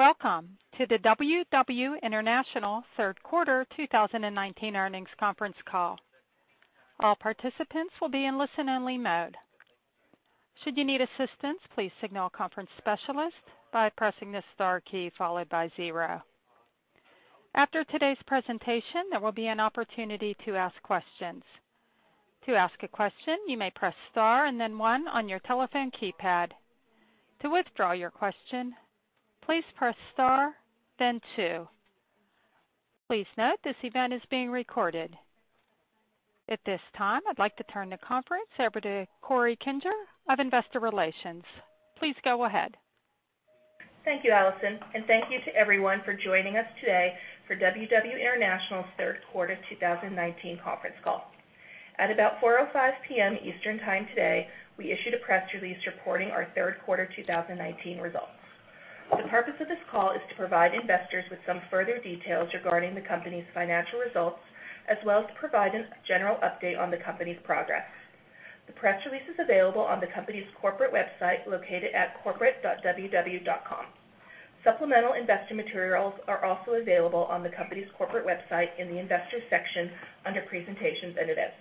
Welcome to the WW International third quarter 2019 earnings conference call. All participants will be in listen-only mode. Should you need assistance, please signal a conference specialist by pressing the star key followed by zero. After today's presentation, there will be an opportunity to ask questions. To ask a question, you may press star and then one on your telephone keypad. To withdraw your question, please press star, then two. Please note this event is being recorded. At this time, I'd like to turn the conference over to Corey Kinger of Investor Relations. Please go ahead. Thank you, Allison, and thank you to everyone for joining us today for WW International's third quarter 2019 conference call. At about 4:05 P.M. Eastern Time today, we issued a press release reporting our third quarter 2019 results. The purpose of this call is to provide investors with some further details regarding the company's financial results, as well as to provide a general update on the company's progress. The press release is available on the company's corporate website, located at corporate.ww.com. Supplemental investor materials are also available on the company's corporate website in the Investors section under Presentations and Events.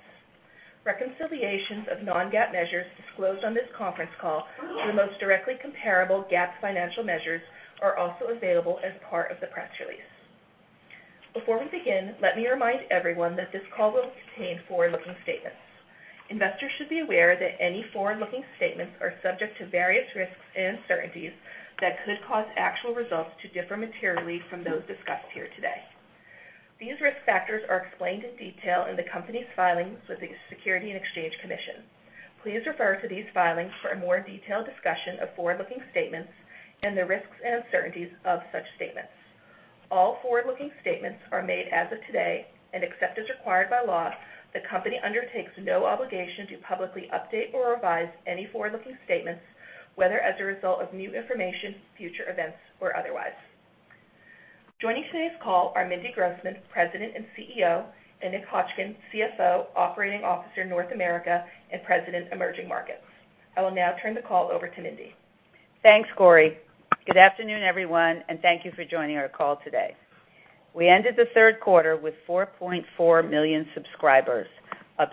Reconciliations of non-GAAP measures disclosed on this conference call to the most directly comparable GAAP financial measures are also available as part of the press release. Before we begin, let me remind everyone that this call will contain forward-looking statements. Investors should be aware that any forward-looking statements are subject to various risks and uncertainties that could cause actual results to differ materially from those discussed here today. These risk factors are explained in detail in the company's filings with the Securities and Exchange Commission. Please refer to these filings for a more detailed discussion of forward-looking statements and the risks and uncertainties of such statements. All forward-looking statements are made as of today, and except as required by law, the company undertakes no obligation to publicly update or revise any forward-looking statements, whether as a result of new information, future events, or otherwise. Joining today's call are Mindy Grossman, President and CEO, and Nick Hotchkin, CFO, Operating Officer, North America, and President, Emerging Markets. I will now turn the call over to Mindy. Thanks, Corey. Good afternoon, everyone, thank you for joining our call today. We ended the third quarter with 4.4 million subscribers, up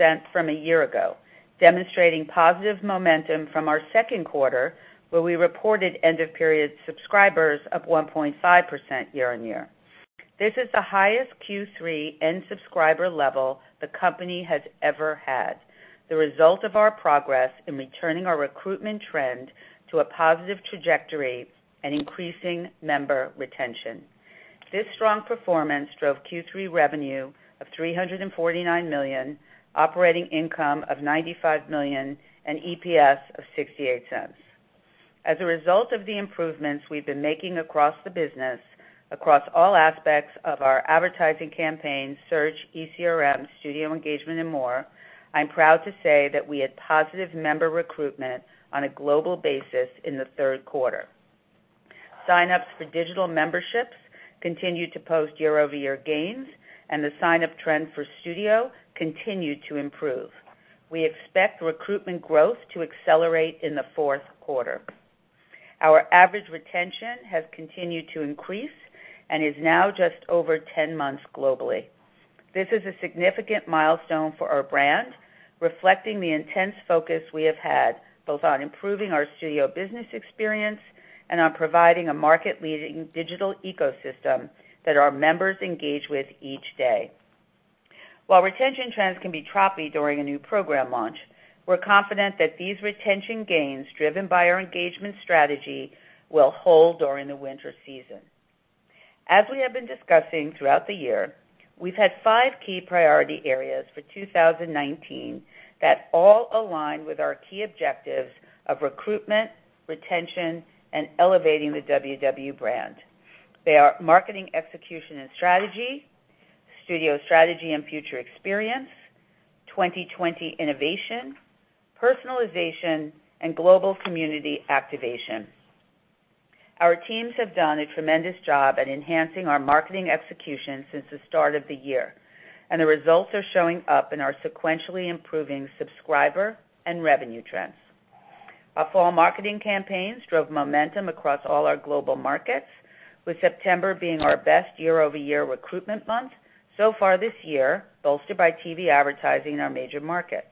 6% from a year ago, demonstrating positive momentum from our second quarter, where we reported end-of-period subscribers up 1.5% year-on-year. This is the highest Q3 end subscriber level the company has ever had, the result of our progress in returning our recruitment trend to a positive trajectory and increasing member retention. This strong performance drove Q3 revenue of $349 million, operating income of $95 million, and EPS of $0.68. As a result of the improvements we've been making across the business, across all aspects of our advertising campaign, search, ECRM, WW Studio engagement, and more, I'm proud to say that we had positive member recruitment on a global basis in the third quarter. Sign-ups for digital memberships continued to post year-over-year gains, and the sign-up trend for studio continued to improve. We expect recruitment growth to accelerate in the fourth quarter. Our average retention has continued to increase and is now just over 10 months globally. This is a significant milestone for our brand, reflecting the intense focus we have had both on improving our studio business experience and on providing a market-leading digital ecosystem that our members engage with each day. While retention trends can be choppy during a new program launch, we're confident that these retention gains, driven by our engagement strategy, will hold during the winter season. As we have been discussing throughout the year, we've had five key priority areas for 2019 that all align with our key objectives of recruitment, retention, and elevating the WW brand. They are marketing execution and strategy, studio strategy and future experience, 2020 innovation, personalization, and global community activation. Our teams have done a tremendous job at enhancing our marketing execution since the start of the year. The results are showing up in our sequentially improving subscriber and revenue trends. Our fall marketing campaigns drove momentum across all our global markets, with September being our best year-over-year recruitment month so far this year, bolstered by TV advertising in our major markets.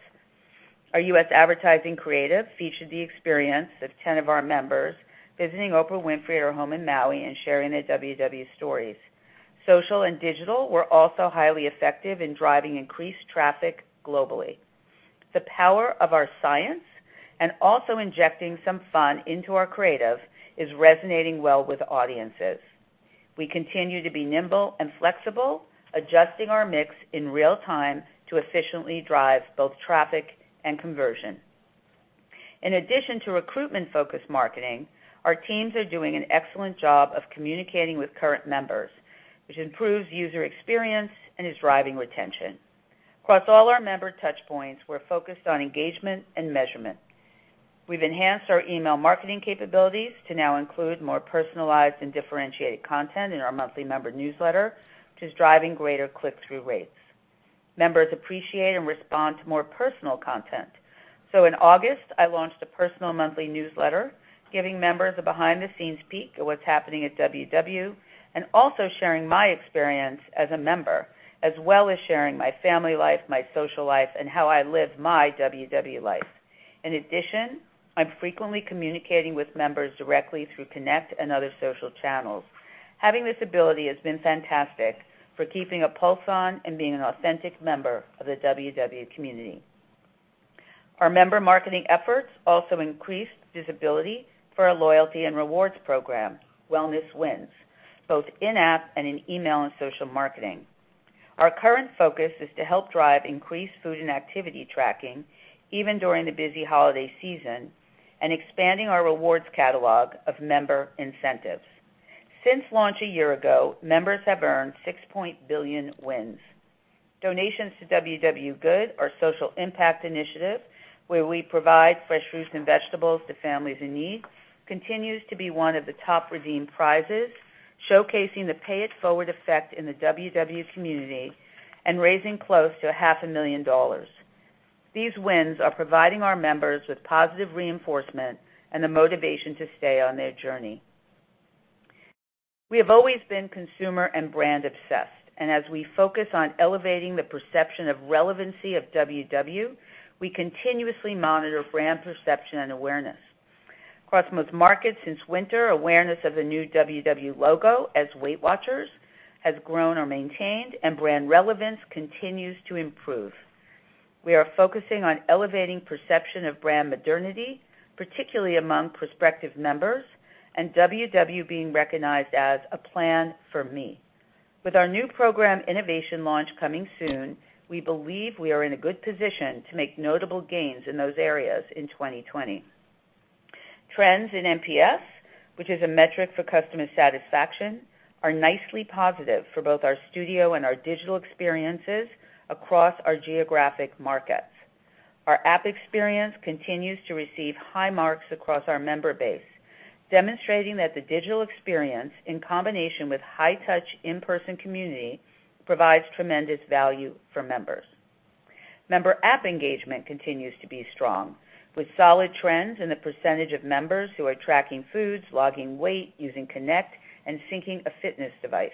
Our U.S. advertising creative featured the experience of 10 of our members visiting Oprah Winfrey at her home in Maui and sharing their WW stories. Social and digital were also highly effective in driving increased traffic globally. The power of our science and also injecting some fun into our creative is resonating well with audiences. We continue to be nimble and flexible, adjusting our mix in real time to efficiently drive both traffic and conversion. In addition to recruitment-focused marketing, our teams are doing an excellent job of communicating with current members, which improves user experience and is driving retention. Across all our member touchpoints, we're focused on engagement and measurement. We've enhanced our email marketing capabilities to now include more personalized and differentiated content in our monthly member newsletter, which is driving greater click-through rates. Members appreciate and respond to more personal content. In August, I launched a personal monthly newsletter, giving members a behind-the-scenes peek at what's happening at WW, and also sharing my experience as a member, as well as sharing my family life, my social life, and how I live my WW life. In addition, I'm frequently communicating with members directly through Connect and other social channels. Having this ability has been fantastic for keeping a pulse on and being an authentic member of the WW community. Our member marketing efforts also increased visibility for our loyalty and rewards program, WellnessWins, both in-app and in email and social marketing. Our current focus is to help drive increased food and activity tracking, even during the busy holiday season, and expanding our rewards catalog of member incentives. Since launch a year ago, members have earned 6 billion wins. Donations to WW Good, our social impact initiative, where we provide fresh fruits and vegetables to families in need, continues to be one of the top redeemed prizes, showcasing the pay-it-forward effect in the WW community and raising close to half a million dollars. These wins are providing our members with positive reinforcement and the motivation to stay on their journey. We have always been consumer and brand obsessed, and as we focus on elevating the perception of relevancy of WW, we continuously monitor brand perception and awareness. Across most markets since winter, awareness of the new WW logo as Weight Watchers has grown or maintained, and brand relevance continues to improve. We are focusing on elevating perception of brand modernity, particularly among prospective members, and WW being recognized as a plan for me. With our new program innovation launch coming soon, we believe we are in a good position to make notable gains in those areas in 2020. Trends in NPS, which is a metric for customer satisfaction, are nicely positive for both our Studio and our digital experiences across our geographic markets. Our app experience continues to receive high marks across our member base, demonstrating that the digital experience, in combination with high-touch, in-person community, provides tremendous value for members. Member app engagement continues to be strong, with solid trends in the percentage of members who are tracking foods, logging weight, using Connect, and syncing a fitness device.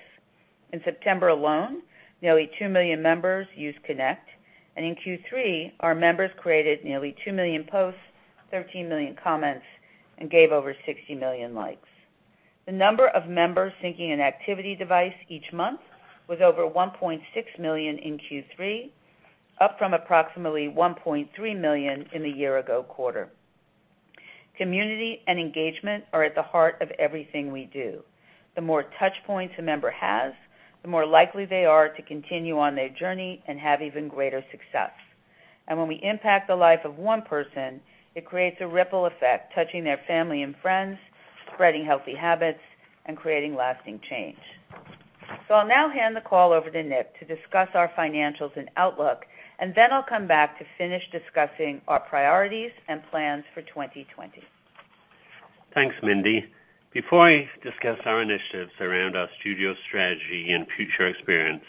In September alone, nearly 2 million members used Connect, and in Q3, our members created nearly 2 million posts, 13 million comments, and gave over 60 million likes. The number of members syncing an activity device each month was over 1.6 million in Q3, up from approximately 1.3 million in the year-ago quarter. Community and engagement are at the heart of everything we do. The more touch points a member has, the more likely they are to continue on their journey and have even greater success. When we impact the life of one person, it creates a ripple effect, touching their family and friends, spreading healthy habits, and creating lasting change. I'll now hand the call over to Nick to discuss our financials and outlook, and then I'll come back to finish discussing our priorities and plans for 2020. Thanks, Mindy. Before I discuss our initiatives around our studio strategy and future experience,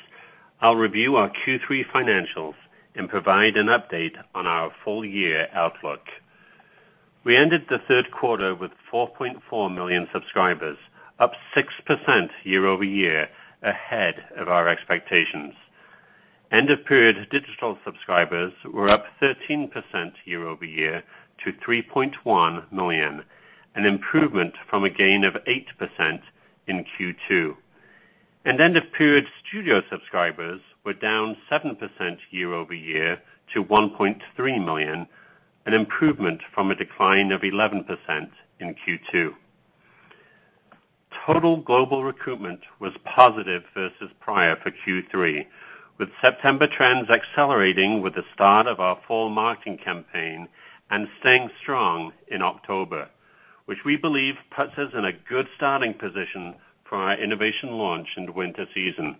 I'll review our Q3 financials and provide an update on our full year outlook. We ended the third quarter with 4.4 million subscribers, up 6% year-over-year, ahead of our expectations. End-of-period digital subscribers were up 13% year-over-year to 3.1 million, an improvement from a gain of 8% in Q2. End-of-period studio subscribers were down 7% year-over-year to 1.3 million, an improvement from a decline of 11% in Q2. Total global recruitment was positive versus prior for Q3, with September trends accelerating with the start of our fall marketing campaign and staying strong in October, which we believe puts us in a good starting position for our innovation launch in the winter season.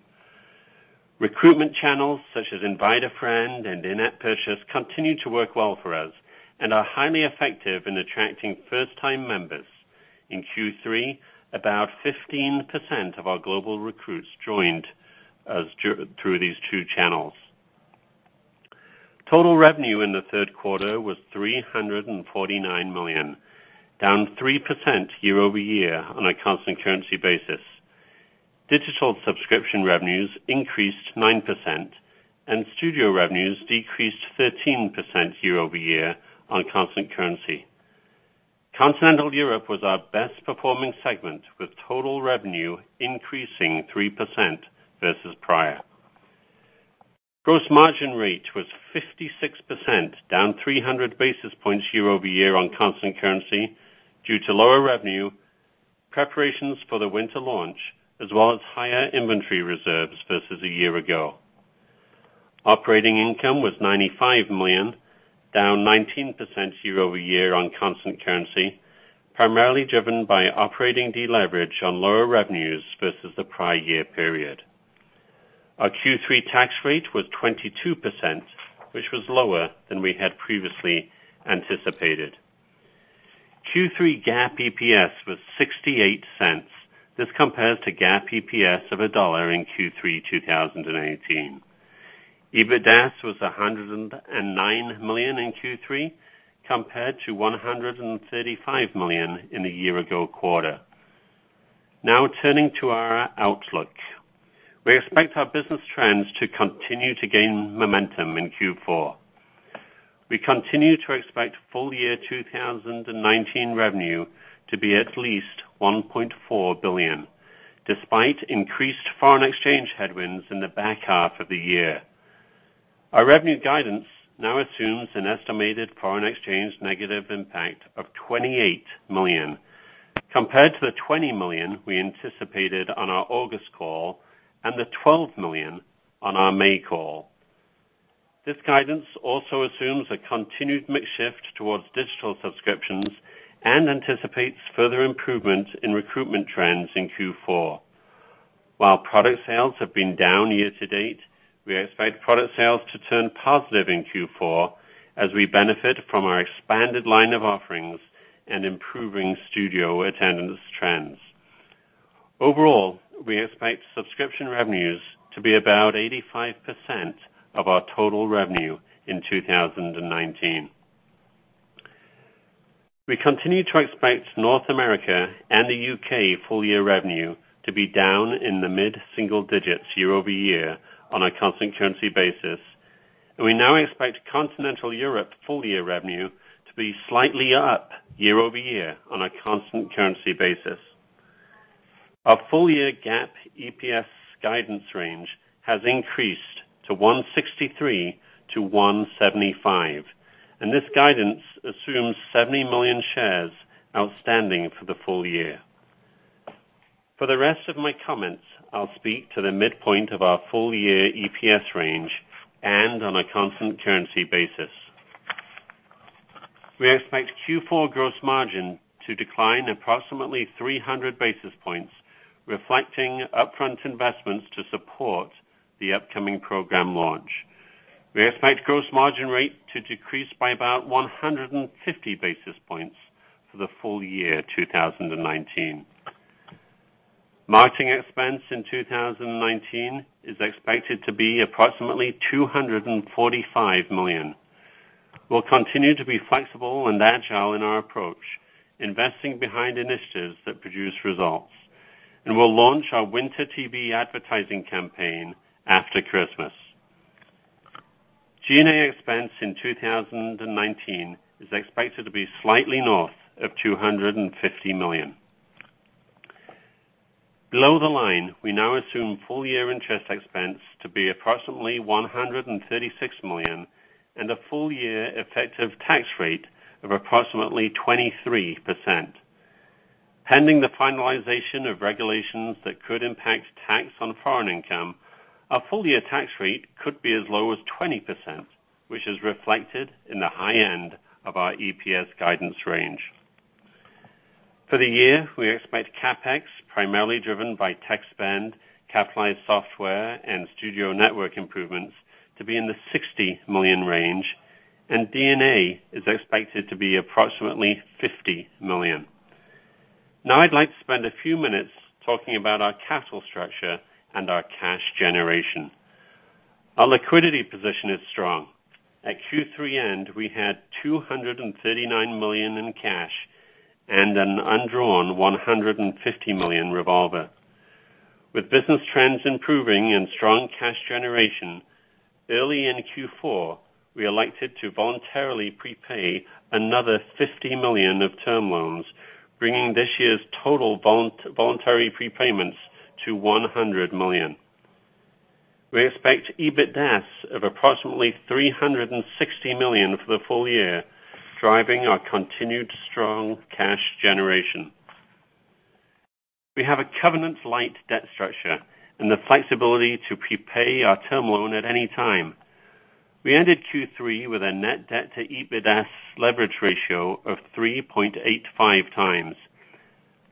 Recruitment channels, such as Invite a Friend and in-app purchase, continue to work well for us and are highly effective in attracting first-time members. In Q3, about 15% of our global recruits joined us through these two channels. Total revenue in the third quarter was $349 million, down 3% year-over-year on a constant currency basis. Digital subscription revenues increased 9% and studio revenues decreased 13% year-over-year on constant currency. Continental Europe was our best performing segment, with total revenue increasing 3% versus prior. Gross margin rate was 56%, down 300 basis points year-over-year on constant currency due to lower revenue, preparations for the winter launch, as well as higher inventory reserves versus a year ago. Operating income was $95 million, down 19% year-over-year on constant currency, primarily driven by operating deleverage on lower revenues versus the prior year period. Our Q3 tax rate was 22%, which was lower than we had previously anticipated. Q3 GAAP EPS was $0.68. This compares to GAAP EPS of $1 in Q3 2018. EBITDA was $109 million in Q3, compared to $135 million in the year-ago quarter. Turning to our outlook. We expect our business trends to continue to gain momentum in Q4. We continue to expect full year 2019 revenue to be at least $1.4 billion, despite increased foreign exchange headwinds in the back half of the year. Our revenue guidance now assumes an estimated foreign exchange negative impact of $28 million, compared to the $20 million we anticipated on our August call, and the $12 million on our May call. This guidance also assumes a continued mix shift towards digital subscriptions and anticipates further improvement in recruitment trends in Q4. While product sales have been down year-to-date, we expect product sales to turn positive in Q4 as we benefit from our expanded line of offerings and improving studio attendance trends. Overall, we expect subscription revenues to be about 85% of our total revenue in 2019. We continue to expect North America and the U.K. full year revenue to be down in the mid-single digits year-over-year on a constant currency basis, and we now expect Continental Europe full year revenue to be slightly up year-over-year on a constant currency basis. Our full year GAAP EPS guidance range has increased to $1.63-$1.75, and this guidance assumes 70 million shares outstanding for the full year. For the rest of my comments, I'll speak to the midpoint of our full year EPS range and on a constant currency basis. We expect Q4 gross margin to decline approximately 300 basis points, reflecting upfront investments to support the upcoming program launch. We expect gross margin rate to decrease by about 150 basis points for the full year 2019. Marketing expense in 2019 is expected to be approximately $245 million. We'll continue to be flexible and agile in our approach, investing behind initiatives that produce results, and we'll launch our Winter TV advertising campaign after Christmas. G&A expense in 2019 is expected to be slightly north of $250 million. Below the line, we now assume full year interest expense to be approximately $136 million and a full year effective tax rate of approximately 23%. Pending the finalization of regulations that could impact tax on foreign income, our full-year tax rate could be as low as 20%, which is reflected in the high end of our EPS guidance range. For the year, we expect CapEx, primarily driven by tech spend, capitalized software, and studio network improvements, to be in the $60 million range, and D&A is expected to be approximately $50 million. I'd like to spend a few minutes talking about our capital structure and our cash generation. Our liquidity position is strong. At Q3 end, we had $239 million in cash and an undrawn $150 million revolver. With business trends improving and strong cash generation, early in Q4, we elected to voluntarily prepay another $50 million of term loans, bringing this year's total voluntary prepayments to $100 million. We expect EBITDA of approximately $360 million for the full year, driving our continued strong cash generation. We have a covenant-light debt structure and the flexibility to prepay our term loan at any time. We ended Q3 with a net debt to EBITDA leverage ratio of 3.85 times.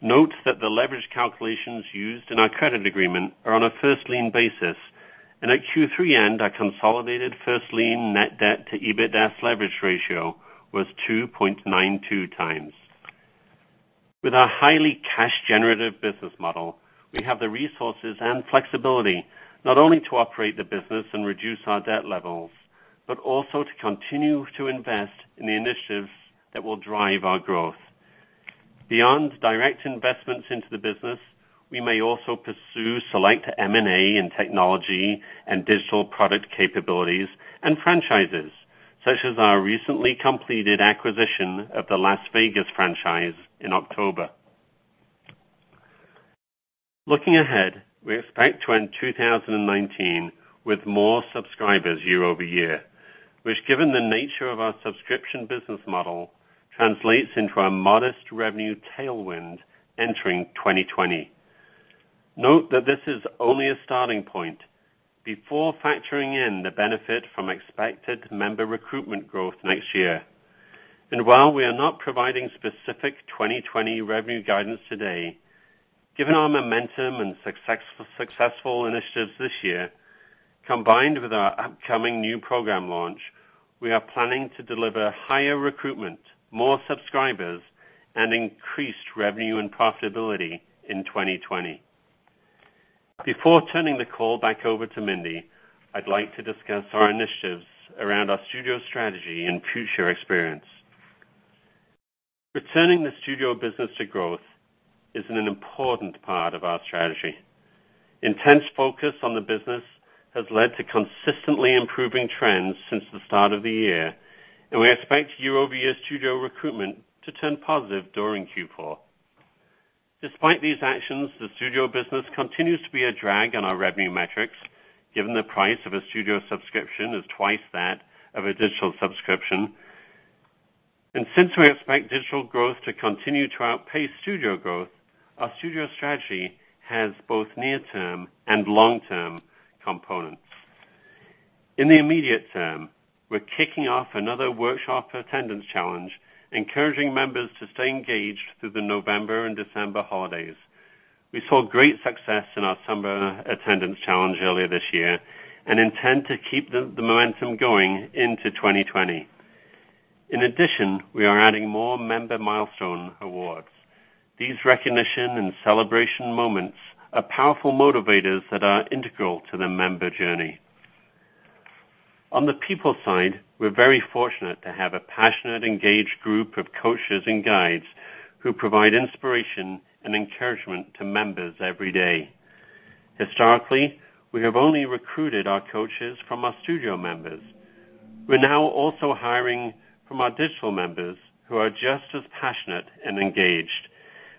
Note that the leverage calculations used in our credit agreement are on a first lien basis, and at Q3 end, our consolidated first lien net debt to EBITDA leverage ratio was 2.92 times. With our highly cash generative business model, we have the resources and flexibility not only to operate the business and reduce our debt levels, but also to continue to invest in the initiatives that will drive our growth. Beyond direct investments into the business, we may also pursue select M&A in technology and digital product capabilities and franchises, such as our recently completed acquisition of the Las Vegas franchise in October. Looking ahead, we expect to end 2019 with more subscribers year-over-year, which, given the nature of our subscription business model, translates into a modest revenue tailwind entering 2020. Note that this is only a starting point before factoring in the benefit from expected member recruitment growth next year. While we are not providing specific 2020 revenue guidance today. Given our momentum and successful initiatives this year, combined with our upcoming new program launch, we are planning to deliver higher recruitment, more subscribers, and increased revenue and profitability in 2020. Before turning the call back over to Mindy, I'd like to discuss our initiatives around our Studio strategy and future experience. Returning the Studio business to growth is an important part of our strategy. Intense focus on the business has led to consistently improving trends since the start of the year, and we expect year-over-year Studio recruitment to turn positive during Q4. Despite these actions, the studio business continues to be a drag on our revenue metrics, given the price of a studio subscription is twice that of a digital subscription. Since we expect digital growth to continue to outpace studio growth, our studio strategy has both near-term and long-term components. In the immediate term, we're kicking off another workshop attendance challenge, encouraging members to stay engaged through the November and December holidays. We saw great success in our summer attendance challenge earlier this year and intend to keep the momentum going into 2020. In addition, we are adding more member milestone awards. These recognition and celebration moments are powerful motivators that are integral to the member journey. On the people side, we're very fortunate to have a passionate, engaged group of coaches and guides who provide inspiration and encouragement to members every day. Historically, we have only recruited our coaches from our Studio members. We're now also hiring from our digital members who are just as passionate and engaged,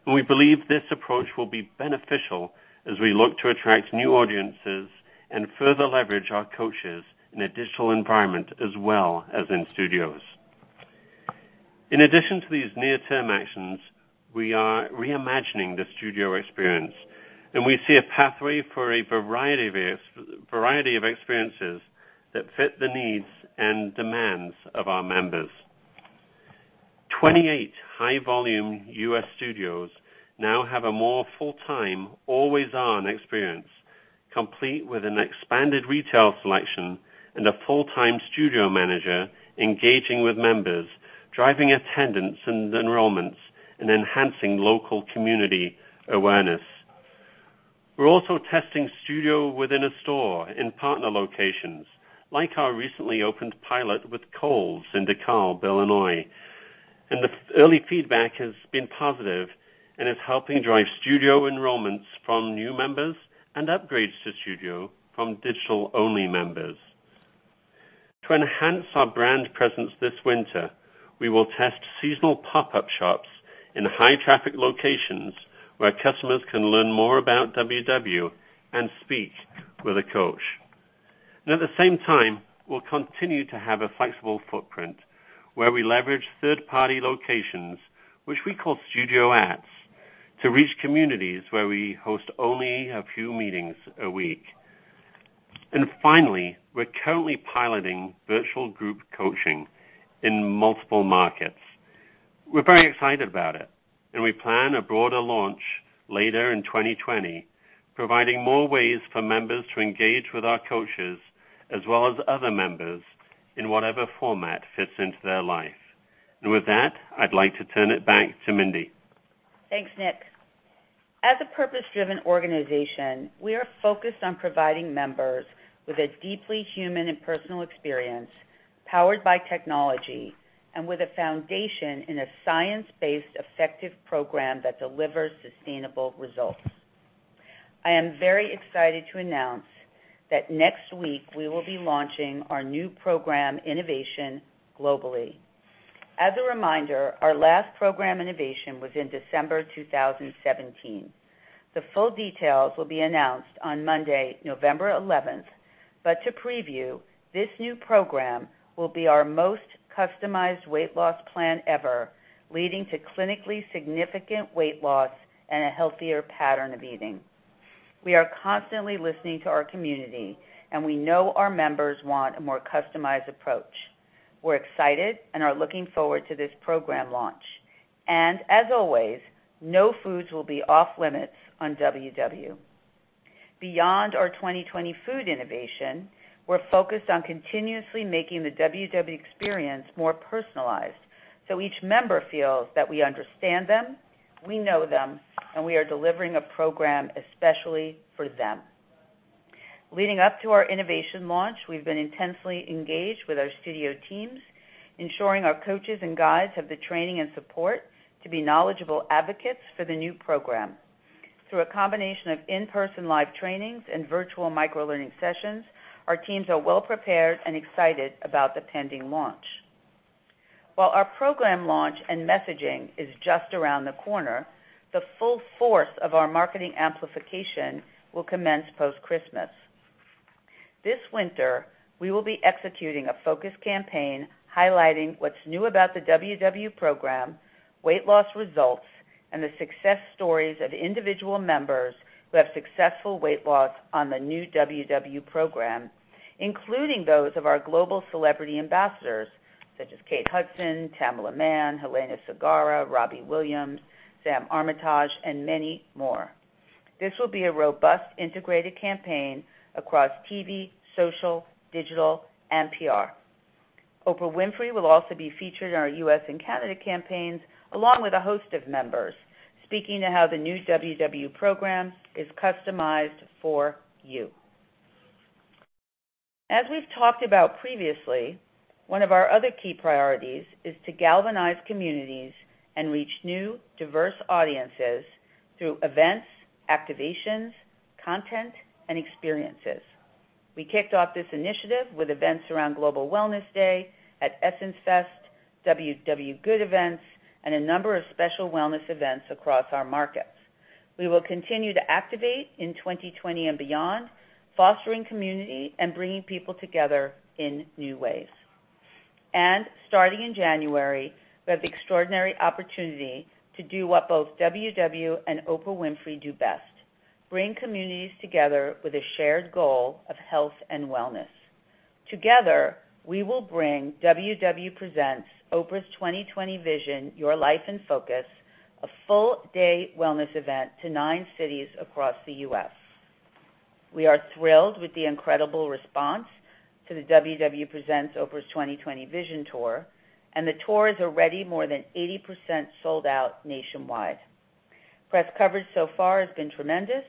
and we believe this approach will be beneficial as we look to attract new audiences and further leverage our coaches in a digital environment as well as in Studios. In addition to these near-term actions, we are reimagining the Studio experience, and we see a pathway for a variety of experiences that fit the needs and demands of our members. 28 high-volume U.S. Studios now have a more full-time, always-on experience, complete with an expanded retail selection and a full-time Studio manager engaging with members, driving attendance and enrollments, and enhancing local community awareness. We're also testing studio within a store in partner locations, like our recently opened pilot with Kohl's in DeKalb, Illinois. The early feedback has been positive and is helping drive studio enrollments from new members and upgrades to studio from digital-only members. To enhance our brand presence this winter, we will test seasonal pop-up shops in high-traffic locations where customers can learn more about WW and speak with a coach. At the same time, we'll continue to have a flexible footprint where we leverage third-party locations, which we call WW Studio, to reach communities where we host only a few meetings a week. Finally, we're currently piloting virtual group coaching in multiple markets. We're very excited about it, and we plan a broader launch later in 2020, providing more ways for members to engage with our coaches as well as other members in whatever format fits into their life. With that, I'd like to turn it back to Mindy. Thanks, Nick. As a purpose-driven organization, we are focused on providing members with a deeply human and personal experience powered by technology and with a foundation in a science-based effective program that delivers sustainable results. I am very excited to announce that next week we will be launching our new program innovation globally. As a reminder, our last program innovation was in December 2017. The full details will be announced on Monday, November 11th. To preview, this new program will be our most customized weight loss plan ever, leading to clinically significant weight loss and a healthier pattern of eating. We are constantly listening to our community, and we know our members want a more customized approach. We're excited and are looking forward to this program launch. As always, no foods will be off-limits on WW. Beyond our 2020 food innovation, we're focused on continuously making the WW experience more personalized, so each member feels that we understand them, we know them, and we are delivering a program especially for them. Leading up to our innovation launch, we've been intensely engaged with our studio teams, ensuring our coaches and guides have the training and support to be knowledgeable advocates for the new program. Through a combination of in-person live trainings and virtual micro-learning sessions, our teams are well prepared and excited about the pending launch. While our program launch and messaging is just around the corner, the full force of our marketing amplification will commence post-Christmas. This winter, we will be executing a focused campaign highlighting what's new about the WW program, weight loss results, and the success stories of individual members who have successful weight loss on the new WW program, including those of our global celebrity ambassadors such as Kate Hudson, Tamela Mann, Hélène Ségara, Robbie Williams, Sam Armytage, and many more. This will be a robust, integrated campaign across TV, social, digital, and PR. Oprah Winfrey will also be featured in our U.S. and Canada campaigns, along with a host of members, speaking to how the new WW program is customized for you. As we've talked about previously, one of our other key priorities is to galvanize communities and reach new, diverse audiences through events, activations, content, and experiences. We kicked off this initiative with events around Global Wellness Day at Essence Fest, WW Good events, and a number of special wellness events across our markets. We will continue to activate in 2020 and beyond, fostering community and bringing people together in new ways. Starting in January, we have the extraordinary opportunity to do what both WW and Oprah Winfrey do best, bring communities together with a shared goal of health and wellness. Together, we will bring WW Presents: Oprah's 2020 Vision: Your Life in Focus, a full-day wellness event, to nine cities across the U.S. We are thrilled with the incredible response to the WW Presents: Oprah's 2020 Vision tour, the tour is already more than 80% sold out nationwide. Press coverage so far has been tremendous,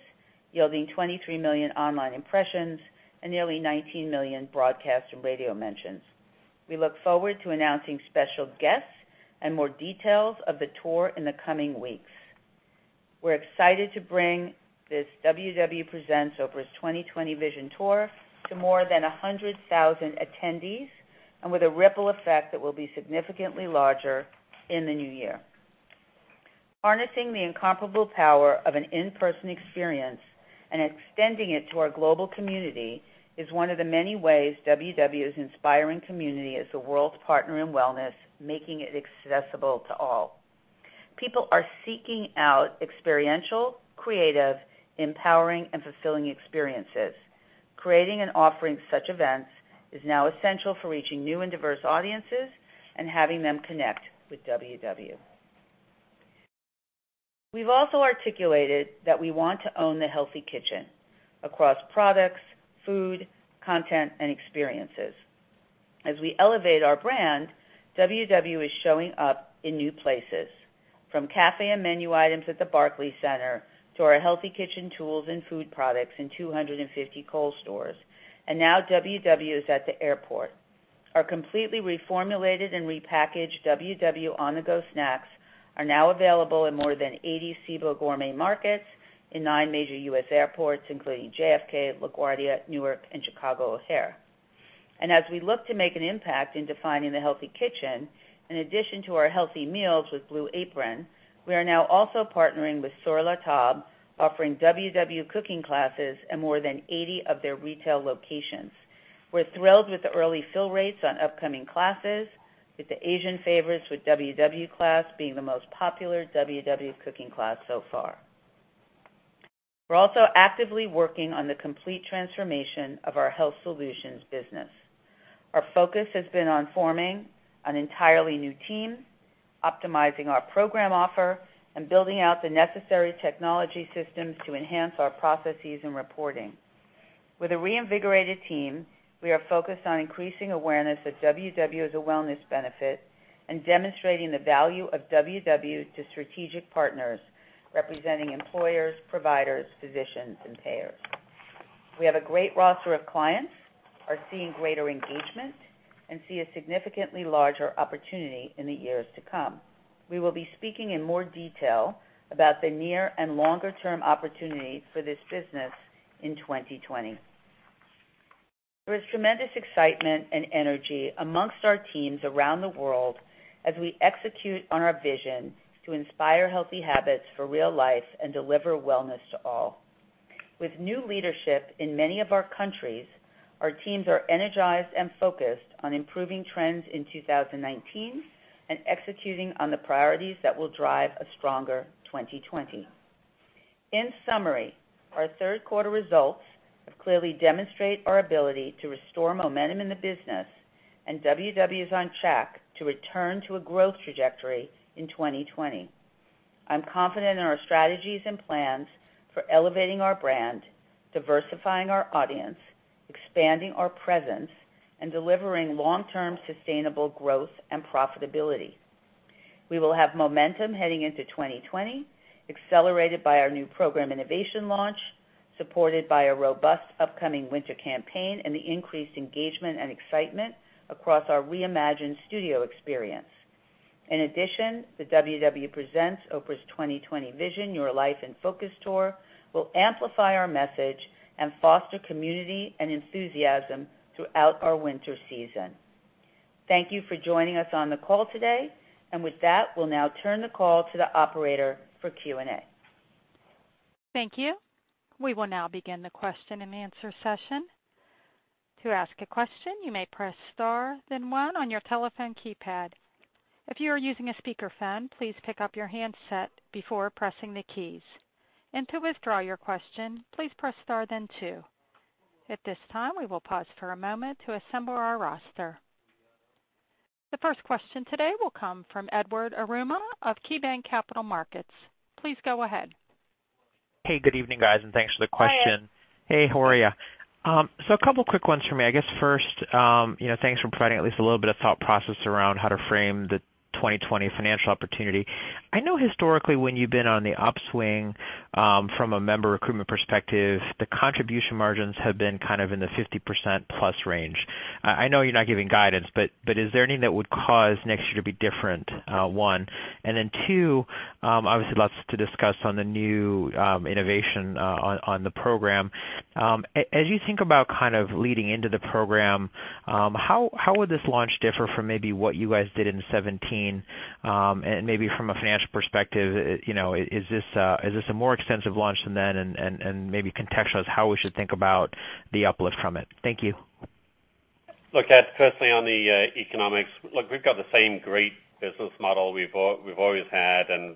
yielding 23 million online impressions and nearly 19 million broadcast and radio mentions. We look forward to announcing special guests and more details of the tour in the coming weeks. We're excited to bring this WW Presents: Oprah's 2020 Vision tour to more than 100,000 attendees, and with a ripple effect that will be significantly larger in the new year. Harnessing the incomparable power of an in-person experience and extending it to our global community is one of the many ways WW is inspiring community as the world's partner in wellness, making it accessible to all. People are seeking out experiential, creative, empowering, and fulfilling experiences. Creating and offering such events is now essential for reaching new and diverse audiences and having them connect with WW. We've also articulated that we want to own the healthy kitchen across products, food, content, and experiences. As we elevate our brand, WW is showing up in new places, from cafe and menu items at the Barclays Center to our healthy kitchen tools and food products in 250 Kohl's stores. Now WW is at the airport. Our completely reformulated and repackaged WW On the Go snacks are now available in more than 80 CIBO Express Gourmet Markets in nine major U.S. airports, including JFK, LaGuardia, Newark, and Chicago O'Hare. As we look to make an impact in defining the healthy kitchen, in addition to our healthy meals with Blue Apron, we are now also partnering with Sur La Table, offering WW cooking classes in more than 80 of their retail locations. We're thrilled with the early fill rates on upcoming classes, with the Asian Favorites with WW class being the most popular WW cooking class so far. We're also actively working on the complete transformation of our Health Solutions business. Our focus has been on forming an entirely new team, optimizing our program offer, and building out the necessary technology systems to enhance our processes and reporting. With a reinvigorated team, we are focused on increasing awareness of WW as a wellness benefit and demonstrating the value of WW to strategic partners, representing employers, providers, physicians, and payers. We have a great roster of clients, are seeing greater engagement, and see a significantly larger opportunity in the years to come. We will be speaking in more detail about the near and longer-term opportunity for this business in 2020. There is tremendous excitement and energy amongst our teams around the world as we execute on our vision to inspire healthy habits for real life and deliver wellness to all. With new leadership in many of our countries, our teams are energized and focused on improving trends in 2019 and executing on the priorities that will drive a stronger 2020. In summary, our third quarter results have clearly demonstrated our ability to restore momentum in the business, and WW is on track to return to a growth trajectory in 2020. I'm confident in our strategies and plans for elevating our brand, diversifying our audience, expanding our presence, and delivering long-term sustainable growth and profitability. We will have momentum heading into 2020, accelerated by our new program innovation launch, supported by a robust upcoming winter campaign, and the increased engagement and excitement across our reimagined studio experience. In addition, the WW Presents: Oprah's 2020 Vision: Your Life in Focus tour will amplify our message and foster community and enthusiasm throughout our winter season. Thank you for joining us on the call today. With that, we'll now turn the call to the operator for Q&A. Thank you. We will now begin the question and answer session. To ask a question, you may press star then one on your telephone keypad. If you are using a speakerphone, please pick up your handset before pressing the keys. To withdraw your question, please press star then two. At this time, we will pause for a moment to assemble our roster. The first question today will come from Edward Yruma of KeyBanc Capital Markets. Please go ahead. Hey, good evening, guys, and thanks for the question. Hi, Ed. Hey, how are you? A couple of quick ones from me. I guess first, thanks for providing at least a little bit of thought process around how to frame the 2020 financial opportunity. I know historically when you've been on the upswing from a member recruitment perspective, the contribution margins have been kind of in the 50%-plus range. I know you're not giving guidance, is there anything that would cause next year to be different, one. Two, obviously lots to discuss on the new innovation on the program. As you think about kind of leading into the program, how would this launch differ from maybe what you guys did in 2017? Maybe from a financial perspective, is this a more extensive launch than then? Maybe contextualize how we should think about the uplift from it. Thank you. Look, Ed, firstly, on the economics, look, we've got the same great business model we've always had, and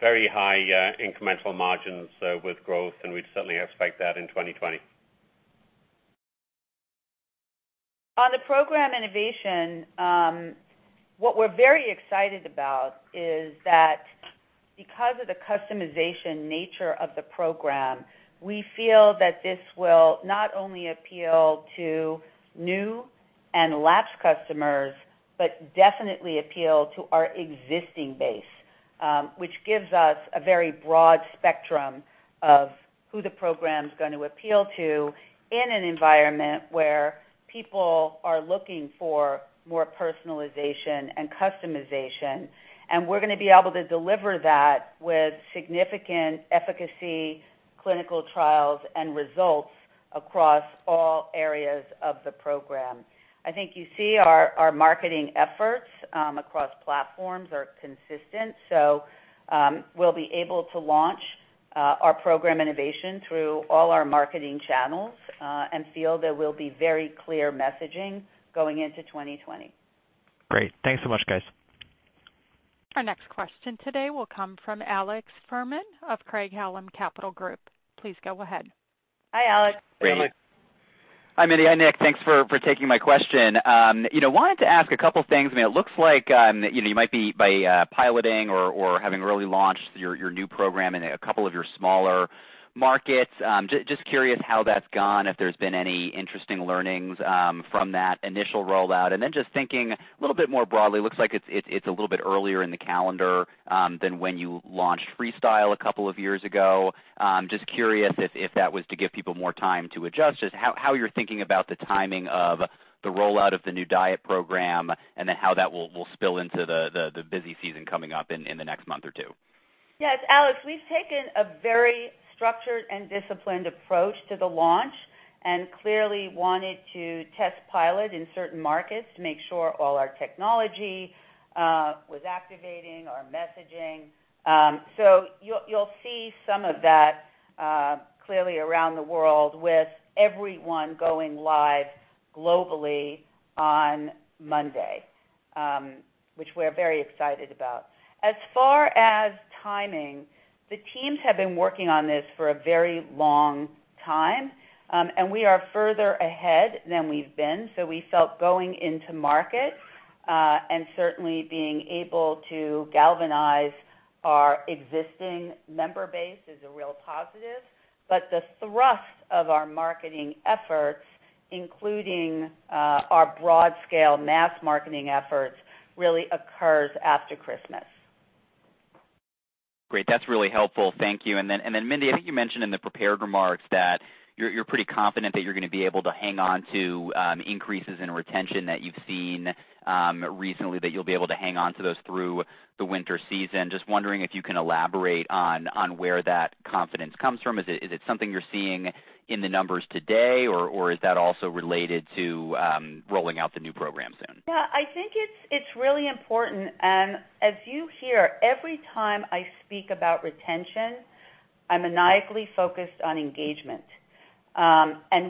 very high incremental margins with growth, and we'd certainly expect that in 2020. On the program innovation, what we're very excited about is that because of the customization nature of the program, we feel that this will not only appeal to new and lapsed customers, but definitely appeal to our existing base, which gives us a very broad spectrum of who the program's going to appeal to in an environment where people are looking for more personalization and customization. We're going to be able to deliver that with significant efficacy, clinical trials, and results across all areas of the program. I think you see our marketing efforts across platforms are consistent. We'll be able to launch our program innovation through all our marketing channels, and feel there will be very clear messaging going into 2020. Great. Thanks so much, guys. Our next question today will come from Alex Fuhrman of Craig-Hallum Capital Group. Please go ahead. Hi, Alex. Hey, Alex. Great. Hi, Mindy. Hi, Nick. Thanks for taking my question. Wanted to ask a couple things. I mean, it looks like you might be by piloting or having already launched your new program in a couple of your smaller markets. Just curious how that's gone, if there's been any interesting learnings from that initial rollout. Just thinking a little bit more broadly, looks like it's a little bit earlier in the calendar than when you launched Freestyle a couple of years ago. Just curious if that was to give people more time to adjust. Just how you're thinking about the timing of the rollout of the new diet program, and then how that will spill into the busy season coming up in the next month or two. Yes, Alex, we've taken a very structured and disciplined approach to the launch, clearly wanted to test pilot in certain markets to make sure all our technology was activating our messaging. You'll see some of that clearly around the world with everyone going live globally on Monday, which we're very excited about. As far as timing, the teams have been working on this for a very long time, we are further ahead than we've been. We felt going into market, certainly being able to galvanize our existing member base is a real positive. The thrust of our marketing efforts, including our broad scale mass marketing efforts, really occurs after Christmas. Great. That's really helpful. Thank you. Mindy, I think you mentioned in the prepared remarks that you're pretty confident that you're going to be able to hang on to increases in retention that you've seen recently, that you'll be able to hang on to those through the winter season. Just wondering if you can elaborate on where that confidence comes from. Is it something you're seeing in the numbers today, or is that also related to rolling out the new program soon? Yeah, I think it's really important. As you hear, every time I speak about retention, I'm maniacally focused on engagement.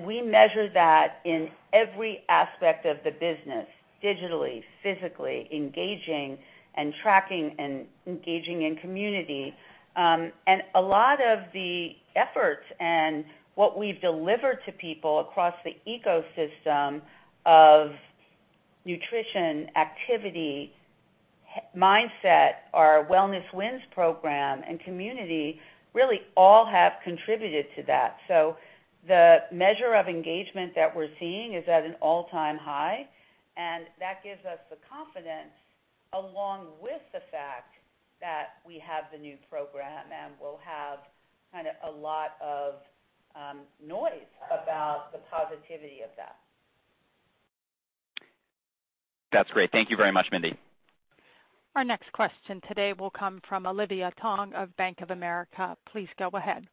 We measure that in every aspect of the business, digitally, physically engaging, and tracking, and engaging in community. A lot of the efforts and what we've delivered to people across the ecosystem of nutrition, activity, mindset, our WellnessWins program, and community really all have contributed to that. The measure of engagement that we're seeing is at an all-time high, and that gives us the confidence, along with the fact that we have the new program and we'll have kind of a lot of noise about the positivity of that. That's great. Thank you very much, Mindy. Our next question today will come from Olivia Tong of Bank of America. Please go ahead.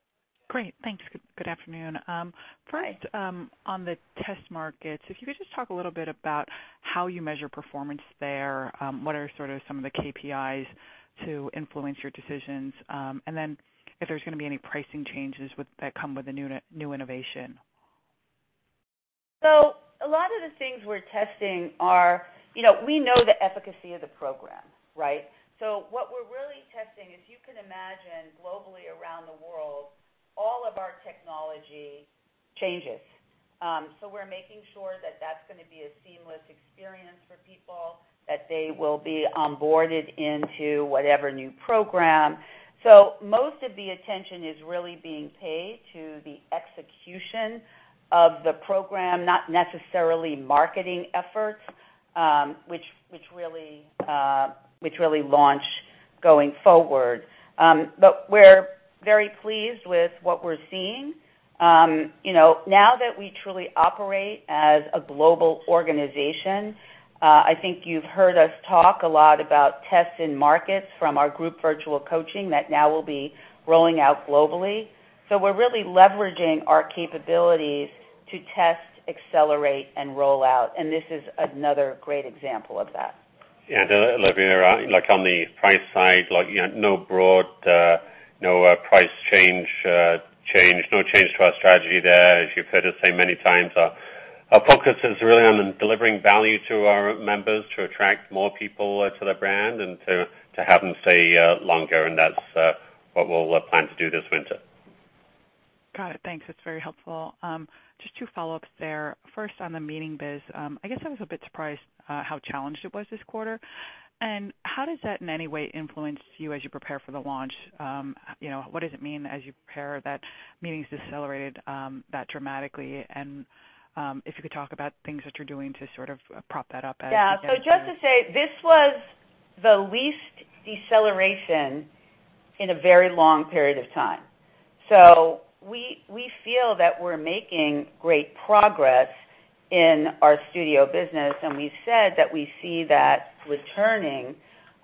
Great. Thanks. Good afternoon. Hi. First, on the test markets, if you could just talk a little bit about how you measure performance there. What are sort of some of the KPIs to influence your decisions? If there's going to be any pricing changes that come with the new innovation. A lot of the things we're testing are. We know the efficacy of the program, right. What we're really testing, as you can imagine, globally around the world, all of our technology changes. We're making sure that that's going to be a seamless experience for people, that they will be onboarded into whatever new program. Most of the attention is really being paid to the execution of the program, not necessarily marketing efforts, which really launch going forward. We're very pleased with what we're seeing. Now that we truly operate as a global organization, I think you've heard us talk a lot about tests in markets from our group virtual coaching that now will be rolling out globally. We're really leveraging our capabilities to test, accelerate, and roll out, and this is another great example of that. Yeah. Olivia, on the price side, no price change, no change to our strategy there. As you've heard us say many times, our focus is really on delivering value to our members to attract more people to the brand and to have them stay longer, and that's what we'll plan to do this winter. Got it. Thanks. That's very helpful. Just two follow-ups there. First, on the meeting biz. I guess I was a bit surprised how challenged it was this quarter. How does that, in any way, influence you as you prepare for the launch? What does it mean as you prepare that meetings decelerated that dramatically? If you could talk about things that you're doing to sort of prop that up as you go through. Yeah. Just to say, this was the least deceleration in a very long period of time. We feel that we're making great progress in our WW Studio business, and we've said that we see that returning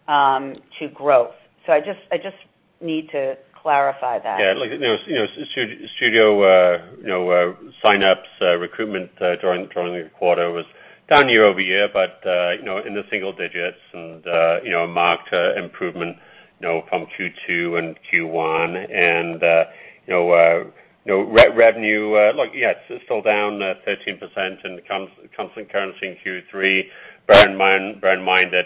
to growth. I just need to clarify that. Look, Studio sign-ups, recruitment during the quarter was down year-over-year, but in the single digits, and marked improvement from Q2 and Q1. Revenue, look, it's still down 13% in constant currency in Q3. Bear in mind that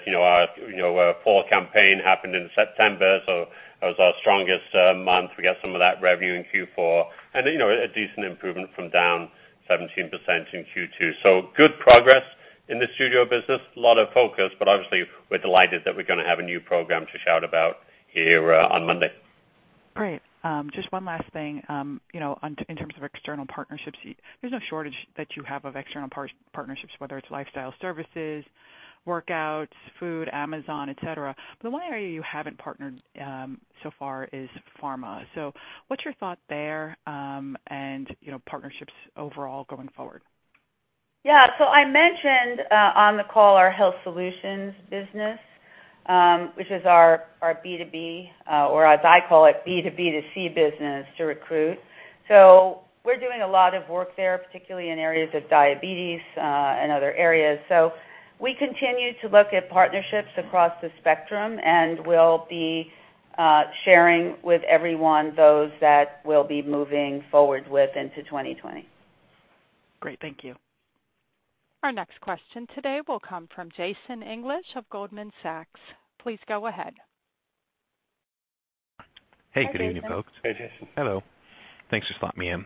our fall campaign happened in September, so that was our strongest month. We got some of that revenue in Q4. A decent improvement from down 17% in Q2. Good progress in the Studio business. A lot of focus, but obviously, we're delighted that we're going to have a new program to shout about here on Monday. Great. Just one last thing. In terms of external partnerships, there's no shortage that you have of external partnerships, whether it's lifestyle services, workouts, food, Amazon, et cetera. The one area you haven't partnered so far is pharma. What's your thought there and partnerships overall going forward? Yeah. I mentioned on the call our WW Health Solutions business, which is our B2B or, as I call it, B2B2C business to recruit. We're doing a lot of work there, particularly in areas of diabetes and other areas. We continue to look at partnerships across the spectrum, and we'll be sharing with everyone those that we'll be moving forward with into 2020. Great. Thank you. Our next question today will come from Jason English of Goldman Sachs. Please go ahead. Hey, good evening, folks. Hey, Jason. Hey, Jason. Hello. Thanks for slotting me in.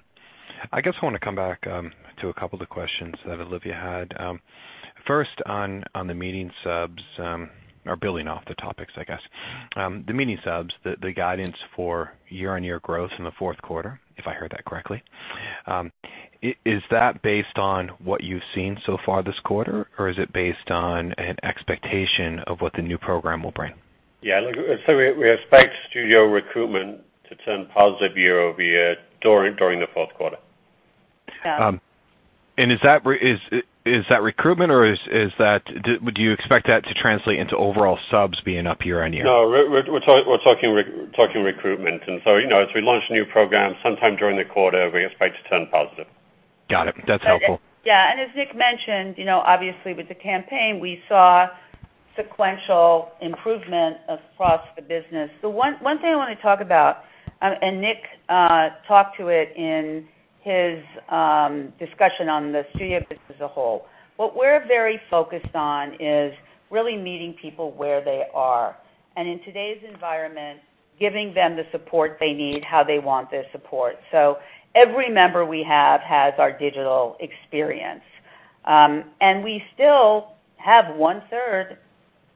I guess I want to come back to a couple of the questions that Olivia had. First, on the meeting subs or building off the topics, I guess. The meeting subs, the guidance for year-on-year growth in the fourth quarter, if I heard that correctly. Is that based on what you've seen so far this quarter, or is it based on an expectation of what the new program will bring? We expect Studio recruitment to turn positive year-over-year during the fourth quarter. Yeah. Is that recruitment, or do you expect that to translate into overall subs being up year-on-year? No, we're talking recruitment. As we launch a new program sometime during the quarter, we expect to turn positive. Got it. That's helpful. Yeah. As Nick mentioned, obviously with the campaign, we saw sequential improvement across the business. The one thing I want to talk about, and Nick talked to it in his discussion on the Studio business as a whole. What we're very focused on is really meeting people where they are. In today's environment, giving them the support they need, how they want their support. Every member we have has our digital experience. We still have one-third,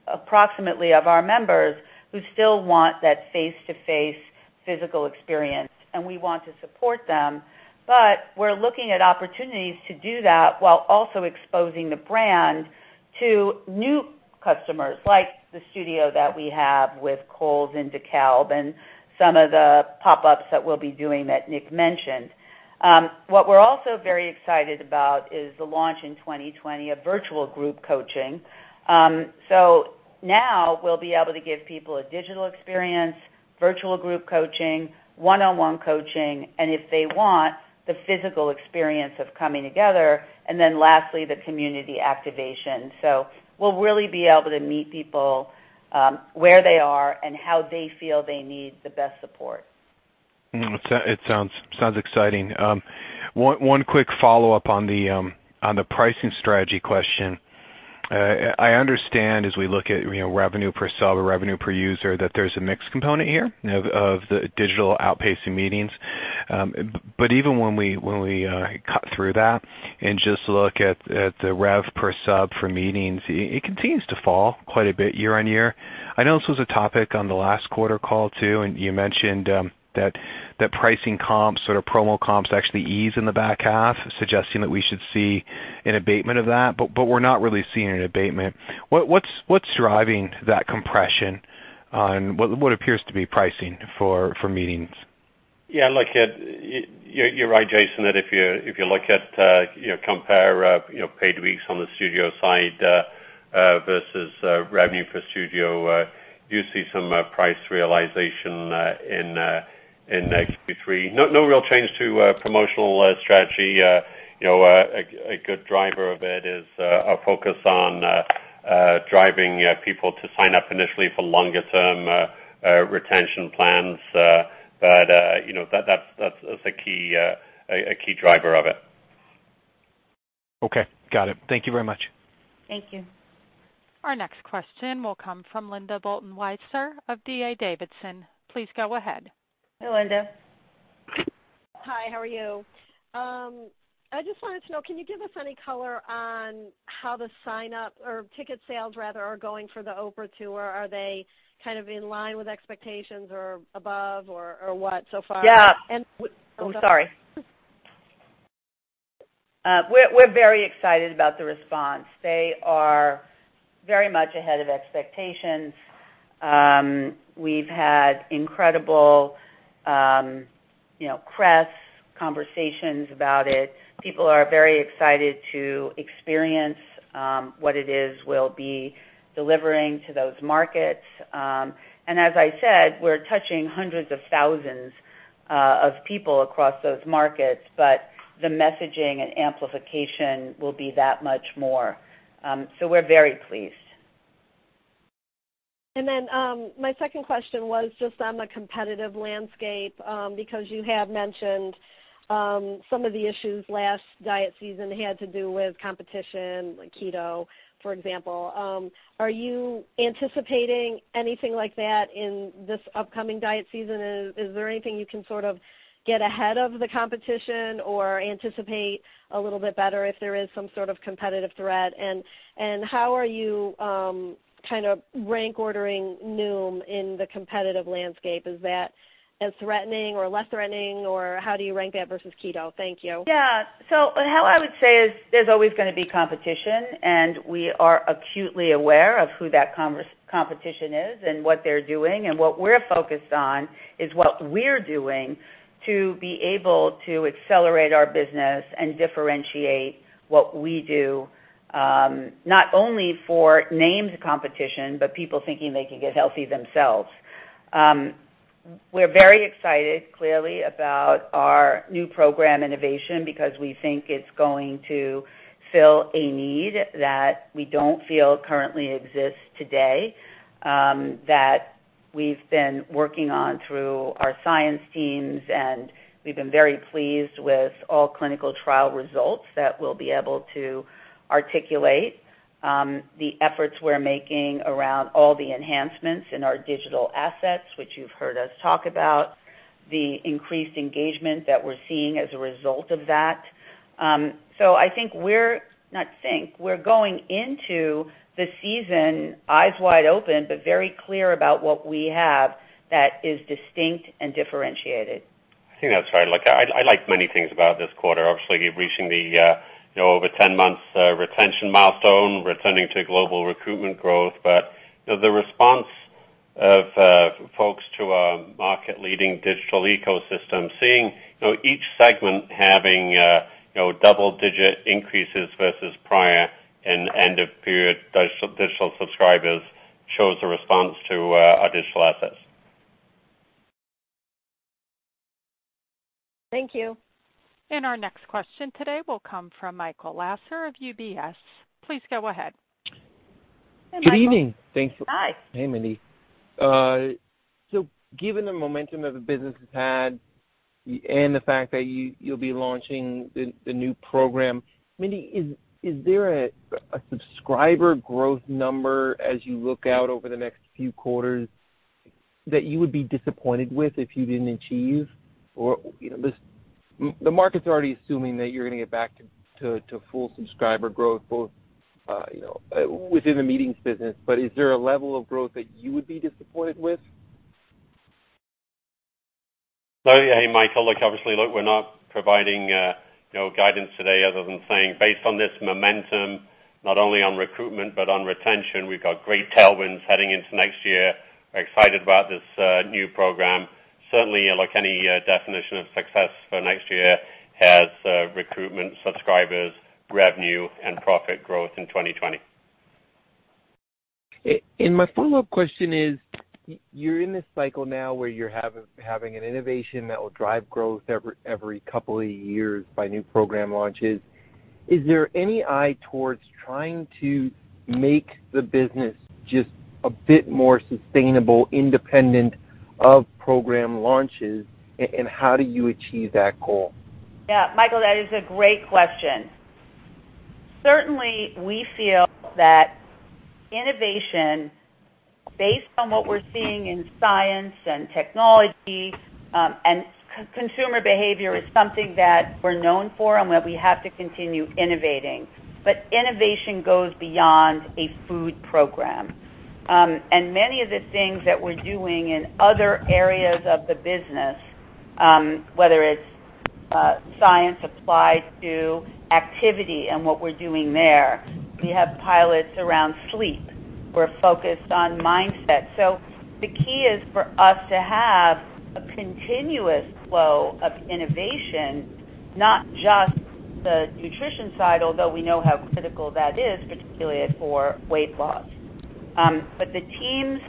approximately, of our members who still want that face-to-face physical experience, and we want to support them. We're looking at opportunities to do that while also exposing the brand to new customers, like the Studio that we have with Kohl's in DeKalb and some of the pop-ups that we'll be doing that Nick mentioned. What we're also very excited about is the launch in 2020 of virtual group coaching. Now we'll be able to give people a digital experience, virtual group coaching, one-on-one coaching, and if they want, the physical experience of coming together, and then lastly, the community activation. We'll really be able to meet people where they are and how they feel they need the best support. It sounds exciting. One quick follow-up on the pricing strategy question. I understand as we look at revenue per sub or revenue per user, that there's a mix component here of the digital outpacing meetings. Even when we cut through that and just look at the rev per sub for meetings, it continues to fall quite a bit year-over-year. I know this was a topic on the last quarter call too, and you mentioned that pricing comps or promo comps actually ease in the back half, suggesting that we should see an abatement of that, but we're not really seeing an abatement. What's driving that compression on what appears to be pricing for meetings? Yeah, look, you're right, Jason, that if you compare paid weeks on the studio side versus revenue per studio, you see some price realization in Q3. No real change to promotional strategy. A good driver of it is a focus on driving people to sign up initially for longer-term retention plans. That's a key driver of it. Okay, got it. Thank you very much. Thank you. Our next question will come from Linda Bolton Weiser of D.A. Davidson. Please go ahead. Hi, Linda. Hi, how are you? I just wanted to know, can you give us any color on how the sign up or ticket sales rather, are going for the Oprah tour? Are they kind of in line with expectations or above or what so far? Yeah. And- Oh, sorry. We're very excited about the response. They are very much ahead of expectations. We've had incredible press conversations about it. People are very excited to experience what it is we'll be delivering to those markets. As I said, we're touching hundreds of thousands of people across those markets, but the messaging and amplification will be that much more. We're very pleased. My second question was just on the competitive landscape, because you have mentioned some of the issues last diet season had to do with competition, like Keto, for example. Are you anticipating anything like that in this upcoming diet season? Is there anything you can sort of get ahead of the competition or anticipate a little bit better if there is some sort of competitive threat? How are you kind of rank ordering Noom in the competitive landscape? Is that as threatening or less threatening, or how do you rank that versus Keto? Thank you. Yeah. How I would say is there's always going to be competition, and we are acutely aware of who that competition is and what they're doing. What we're focused on is what we're doing to be able to accelerate our business and differentiate what we do, not only for named competition, but people thinking they can get healthy themselves. We're very excited, clearly, about our new program innovation because we think it's going to fill a need that we don't feel currently exists today, that we've been working on through our science teams, and we've been very pleased with all clinical trial results that we'll be able to articulate the efforts we're making around all the enhancements in our digital assets, which you've heard us talk about, the increased engagement that we're seeing as a result of that. Not think. We're going into the season eyes wide open, but very clear about what we have that is distinct and differentiated. I think that's right. Look, I like many things about this quarter. Obviously, reaching the over 10 months retention milestone, returning to global recruitment growth. The response of folks to our market-leading digital ecosystem, seeing each segment having double-digit increases versus prior and end of period digital subscribers shows a response to our digital assets. Thank you. Our next question today will come from Michael Lasser of UBS. Please go ahead. Hi, Michael. Good evening. Thanks. Hi. Hey, Mindy. Given the momentum that the business has had and the fact that you'll be launching the new program, Mindy, is there a subscriber growth number as you look out over the next few quarters that you would be disappointed with if you didn't achieve? The market's already assuming that you're going to get back to full subscriber growth, both within the meetings business. Is there a level of growth that you would be disappointed with? Hey, Michael, look, obviously, look, we're not providing guidance today other than saying based on this momentum, not only on recruitment, but on retention, we've got great tailwinds heading into next year. We're excited about this new program. Certainly, look, any definition of success for next year has recruitment, subscribers, revenue, and profit growth in 2020. My follow-up question is, you're in this cycle now where you're having an innovation that will drive growth every couple of years by new program launches. Is there any eye towards trying to make the business just a bit more sustainable, independent of program launches, and how do you achieve that goal? Yeah, Michael, that is a great question. Certainly, we feel that innovation, based on what we're seeing in science and technology, and consumer behavior is something that we're known for and what we have to continue innovating. Innovation goes beyond a food program. Many of the things that we're doing in other areas of the business, whether it's science applied to activity and what we're doing there. We have pilots around sleep. We're focused on mindset. The key is for us to have a continuous flow of innovation, not just the nutrition side, although we know how critical that is, particularly for weight loss. The team's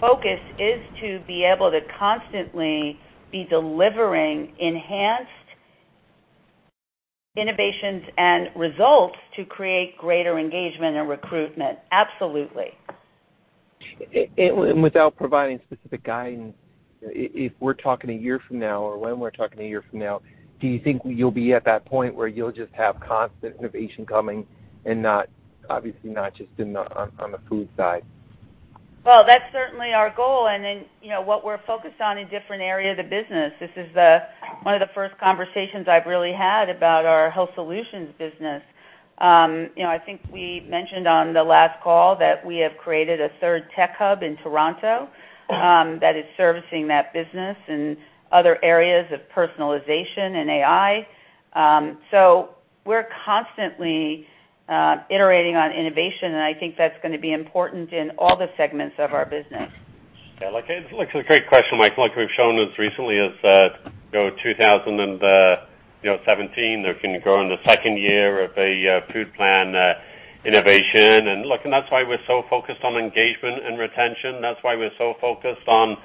focus is to be able to constantly be delivering enhanced innovations and results to create greater engagement and recruitment. Absolutely. Without providing specific guidance, if we're talking a year from now or when we're talking a year from now, do you think you'll be at that point where you'll just have constant innovation coming and obviously not just on the food side? That's certainly our goal, and then what we're focused on in different areas of the business. This is one of the first conversations I've really had about our WW Health Solutions business. I think we mentioned on the last call that we have created a third tech hub in Toronto that is servicing that business and other areas of personalization and AI. We're constantly iterating on innovation, and I think that's going to be important in all the segments of our business. Yeah. Look, it's a great question, Michael. Look, we've shown as recently as 2017, that can grow in the second year of a food plan innovation. Look, that's why we're so focused on engagement and retention. That's why we're so focused on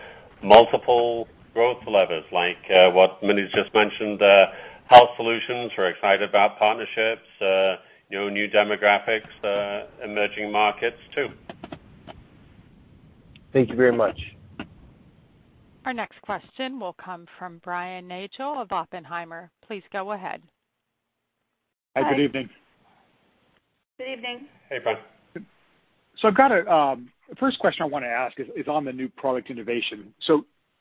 multiple growth levers, like what Mindy's just mentioned, WW Health Solutions. We're excited about partnerships, new demographics, emerging markets too. Thank you very much. Our next question will come from Brian Nagel of Oppenheimer. Please go ahead. Hi. Good evening. Good evening. Hey, Brian. The first question I want to ask is on the new product innovation.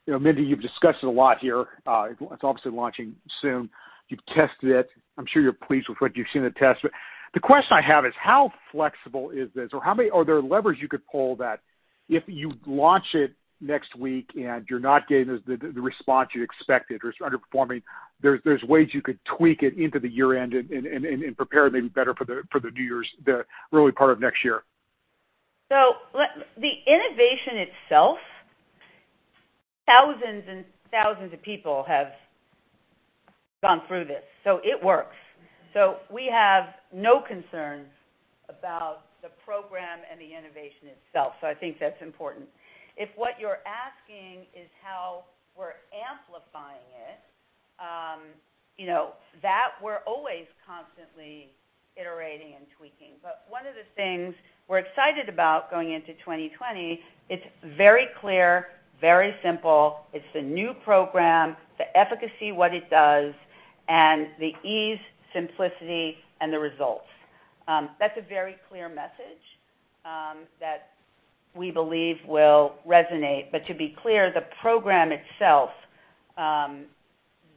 Mindy, you've discussed it a lot here. It's obviously launching soon. You've tested it. I'm sure you're pleased with what you've seen in the test, but the question I have is how flexible is this? Or how many other levers you could pull that if you launch it next week and you're not getting the response you'd expected or it's underperforming, there's ways you could tweak it into the year-end and prepare maybe better for the early part of next year? The innovation itself, thousands and thousands of people have gone through this. It works. We have no concerns about the program and the innovation itself. I think that's important. If what you're asking is how we're amplifying it, that we're always constantly iterating and tweaking. One of the things we're excited about going into 2020, it's very clear, very simple. It's the new program, the efficacy, what it does, and the ease, simplicity, and the results. That's a very clear message that we believe will resonate. To be clear, the program itself has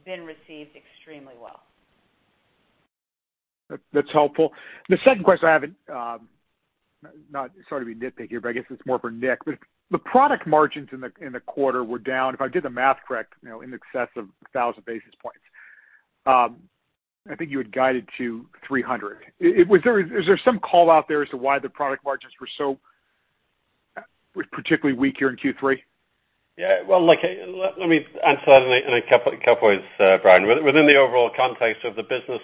been received extremely well. That's helpful. The second question I have, not sort of a nitpick here, but I guess it's more for Nick. The product margins in the quarter were down, if I did the math correct, in excess of 1,000 basis points. I think you had guided to 300. Is there some call out there as to why the product margins were so particularly weak here in Q3? Yeah. Well, look, let me answer that in a couple ways, Brian. Within the overall context of the business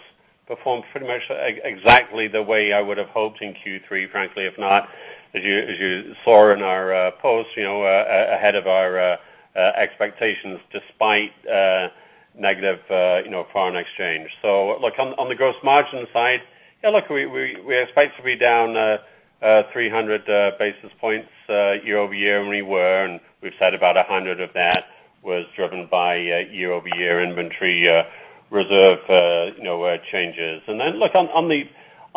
performed pretty much exactly the way I would have hoped in Q3, frankly, if not, as you saw in our post, ahead of our expectations despite negative foreign exchange. Look, on the gross margin side, yeah, look, we expected to be down 300 basis points year-over-year, and we were. We've said about 100 of that was driven by year-over-year inventory reserve changes. Look, on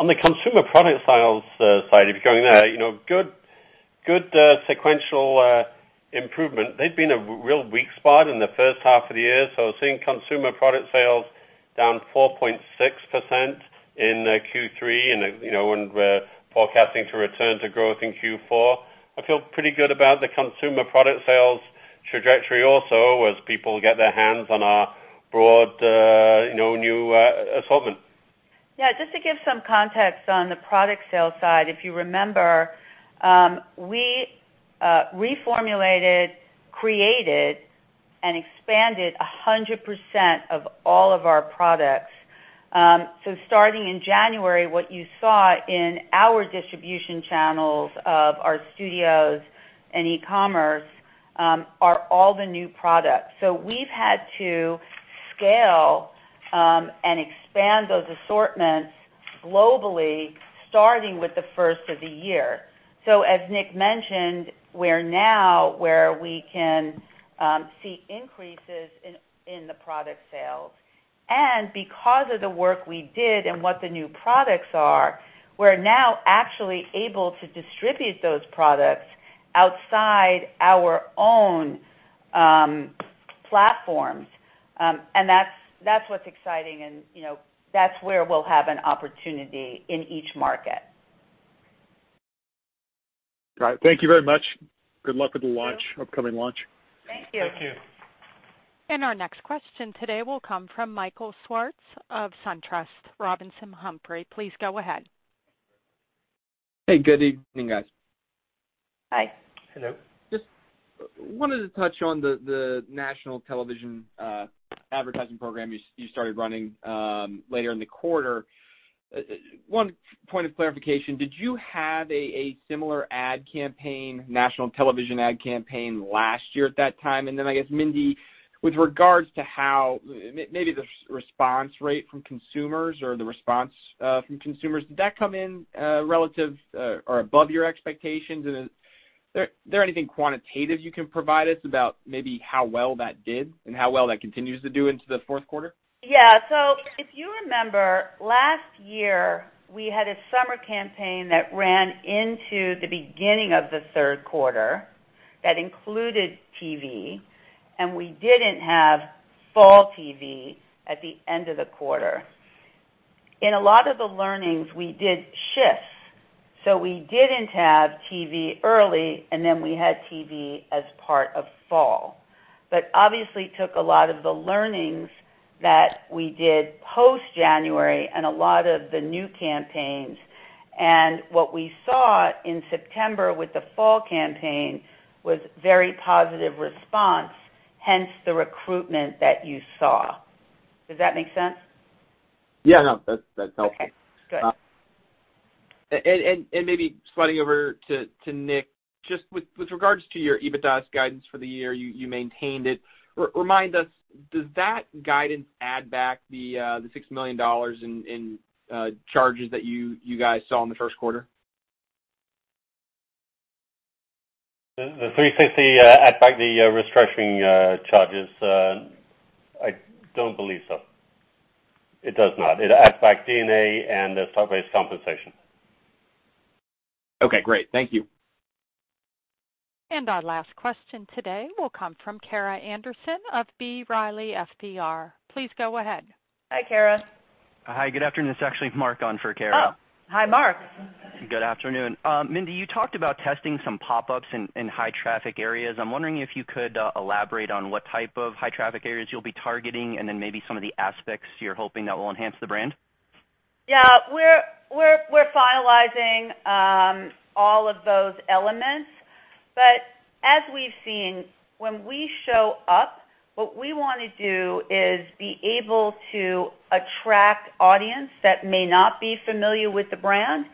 the consumer product sales side, if you're going there, good sequential improvement. They'd been a real weak spot in the first half of the year. Seeing consumer product sales down 4.6% in Q3 and we're forecasting to return to growth in Q4. I feel pretty good about the consumer product sales trajectory also as people get their hands on our broad new assortment. Yeah, just to give some context on the product sales side. If you remember, we reformulated, created, and expanded 100% of all of our products. Starting in January, what you saw in our distribution channels of our studios and e-commerce are all the new products. We've had to scale and expand those assortments globally, starting with the first of the year. As Nick mentioned, we're now where we can see increases in the product sales. Because of the work we did and what the new products are, we're now actually able to distribute those products outside our own platforms. That's what's exciting and that's where we'll have an opportunity in each market. All right. Thank you very much. Good luck with the upcoming launch. Thank you. Thank you. Our next question today will come from Michael Swartz of SunTrust Robinson Humphrey. Please go ahead. Hey, good evening, guys. Hi. Hello. Just wanted to touch on the national television advertising program you started running later in the quarter. One point of clarification, did you have a similar ad campaign, national television ad campaign, last year at that time? I guess, Mindy, with regards to how maybe the response rate from consumers or the response from consumers, did that come in relative or above your expectations? Is there anything quantitative you can provide us about maybe how well that did and how well that continues to do into the fourth quarter? Yeah. If you remember, last year, we had a summer campaign that ran into the beginning of the third quarter that included TV, and we didn't have fall TV at the end of the quarter. In a lot of the learnings, we did shifts, so we didn't have TV early, and then we had TV as part of fall. We obviously took a lot of the learnings that we did post January and a lot of the new campaigns, and what we saw in September with the fall campaign was very positive response, hence the recruitment that you saw. Does that make sense? Yeah, that's helpful. Okay, good. Maybe sliding over to Nick, just with regards to your EBITDA guidance for the year, you maintained it. Remind us, does that guidance add back the $6 million in charges that you guys saw in the first quarter? The 360 add back the restructuring charges. I don't believe so. It does not. It adds back D&A and the stock-based compensation. Okay, great. Thank you. Our last question today will come from Kara Anderson of B. Riley FBR. Please go ahead. Hi, Kara. Hi, good afternoon. It's actually Mark on for Kara. Oh, hi, Mark. Good afternoon. Mindy, you talked about testing some pop-ups in high traffic areas. I'm wondering if you could elaborate on what type of high traffic areas you'll be targeting and then maybe some of the aspects you're hoping that will enhance the brand. We're finalizing all of those elements, but as we've seen, when we show up, what we want to do is be able to attract audience that may not be familiar with the brand.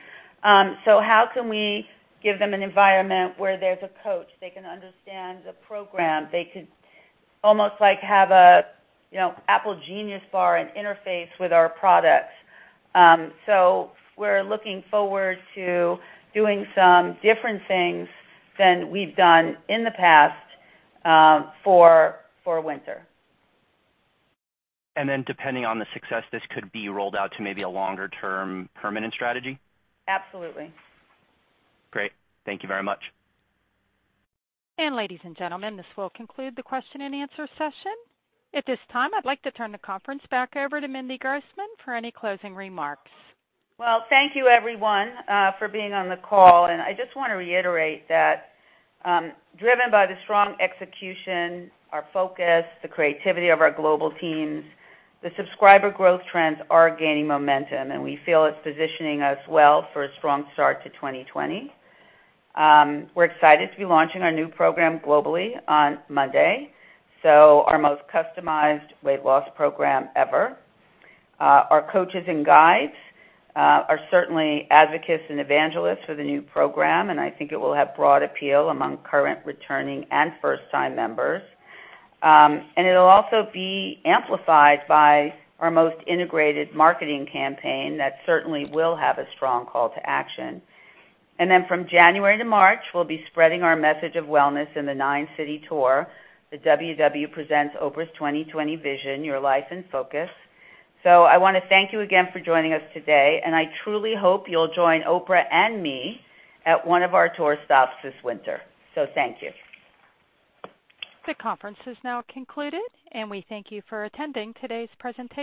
How can we give them an environment where there's a coach, they can understand the program, they could almost have a Apple Genius Bar and interface with our products? We're looking forward to doing some different things than we've done in the past for winter. Depending on the success, this could be rolled out to maybe a longer-term permanent strategy? Absolutely. Great. Thank you very much. Ladies and gentlemen, this will conclude the question and answer session. At this time, I'd like to turn the conference back over to Mindy Grossman for any closing remarks. Well, thank you everyone for being on the call. I just want to reiterate that driven by the strong execution, our focus, the creativity of our global teams, the subscriber growth trends are gaining momentum, and we feel it's positioning us well for a strong start to 2020. We're excited to be launching our new program globally on Monday, so our most customized weight loss program ever. Our coaches and guides are certainly advocates and evangelists for the new program, and I think it will have broad appeal among current, returning, and first-time members. It'll also be amplified by our most integrated marketing campaign that certainly will have a strong call to action. From January to March, we'll be spreading our message of wellness in the nine-city tour, the WW presents Oprah's 2020 Vision: Your Life in Focus. I want to thank you again for joining us today, and I truly hope you'll join Oprah and me at one of our tour stops this winter. Thank you. The conference is now concluded, and we thank you for attending today's presentation.